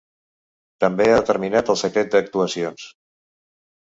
També ha determinat el secret d’actuacions.